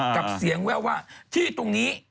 กับเสียงแววว่าที่ตรงนี้